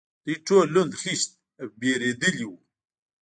دوی ټول لوند، خېشت او وېرېدلي و.